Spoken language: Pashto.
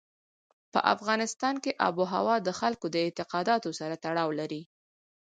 په افغانستان کې آب وهوا د خلکو د اعتقاداتو سره تړاو لري.